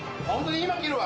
今切るわ。